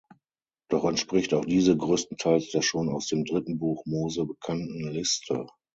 Doch entspricht auch diese größtenteils der schon aus dem dritten Buch Mose bekannten Liste.